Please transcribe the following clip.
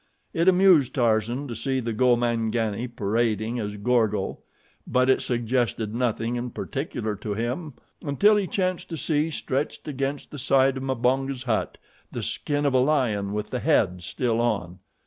It amused Tarzan to see a Gomangani parading as Gorgo; but it suggested nothing in particular to him until he chanced to see stretched against the side of Mbonga's hut the skin of a lion with the head still on.